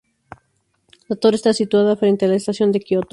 La torre está situada frente a la Estación de Kioto.